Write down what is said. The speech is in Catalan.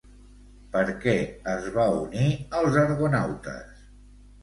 Per què es va unir als argonautes?